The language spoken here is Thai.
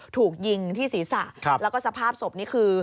ถูกยิงที่ศีรษะแล้วก็สภาพศพนี่คือ